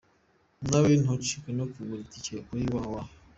Nawe ntucikwe no kugura itike kuri www.